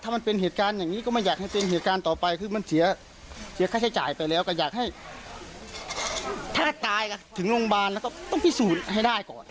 สาธารณาเกียจนี่